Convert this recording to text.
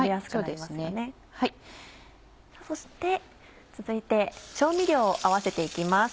そして続いて調味料を合わせて行きます。